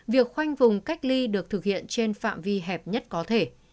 việc khoanh vùng cách ly được thực hiện trên phạm vi hẹp nhất có thể